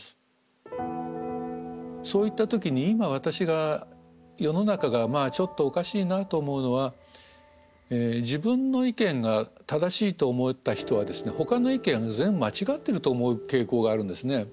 そういった時に今私が世の中がちょっとおかしいなと思うのは自分の意見が正しいと思った人はですねほかの意見は全部間違ってると思う傾向があるんですね。